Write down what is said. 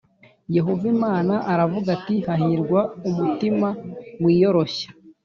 Yehova Imana aravuga ati hahirwa uwumutima wiyoroshya